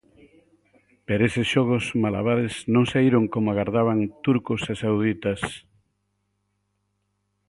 Pero eses xogos malabares non saíron como agardaban turcos e sauditas.